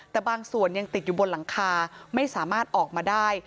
แต่บางส่วนยังติดอยู่บนหลังคาไม่สามารถออกมาได้